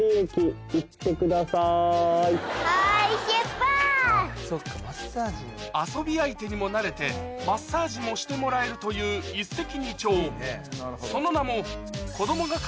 子供が遊び相手にもなれてマッサージもしてもらえるという一石二鳥